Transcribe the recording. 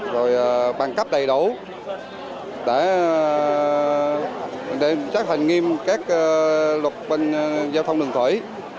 rồi bàn cắp đầy đủ để xác hành nghiêm các luật bên giao thông đường thủy